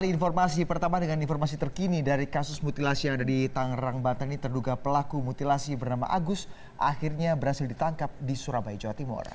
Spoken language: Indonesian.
informasi pertama dengan informasi terkini dari kasus mutilasi yang ada di tangerang banten ini terduga pelaku mutilasi bernama agus akhirnya berhasil ditangkap di surabaya jawa timur